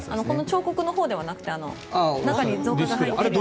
彫刻のほうではなくて中に造花が入っているもの。